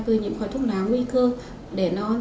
phơi nhiễm khói thuốc lá nguy cơ đẻ non